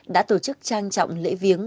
đã tổ chức trang trọng lễ viếng